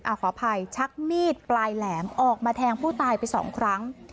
ขออภัยชักมีดปลายแหลมออกมาแทงผู้ตายไปสองครั้ง